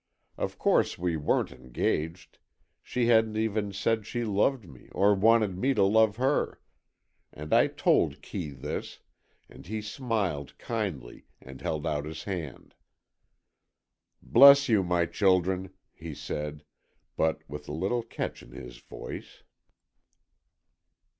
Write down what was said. Of course, we weren't engaged, she hadn't even said she loved me or wanted me to love her. And I told Kee this, and he smiled kindly, and held out his hand. "Bless you, my children," he said, but with a little catch in his voice.